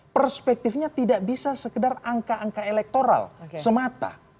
perspektifnya tidak bisa sekedar angka angka elektoral semata